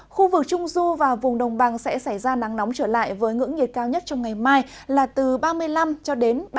khu vực trung du và vùng đồng bằng sẽ xảy ra nắng nóng trở lại với ngưỡng nhiệt cao nhất trong ngày mai là từ ba mươi năm ba mươi ba độ